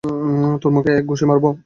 তোর মুখে এক ঘুষি মারব।